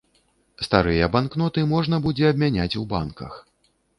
Старыя банкноты можна будзе абмяняць у банках.